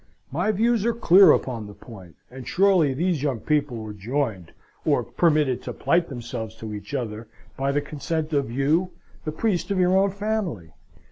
"My views are clear upon the point, and surely these young people were joined, or permitted to plight themselves to each other by the consent of you, the priest of your own family.